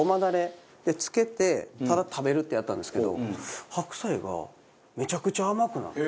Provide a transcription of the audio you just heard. つけてただ食べるってやったんですけど白菜がめちゃくちゃ甘くなった。